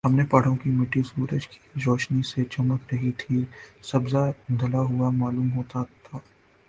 سامنے پہاڑوں کی مٹی سورج کی روشنی سے چمک رہی تھی سبزہ دھلا ہوا معلوم ہوتا تھا